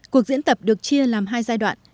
cuộc diễn tập được chia làm hai giai đoạn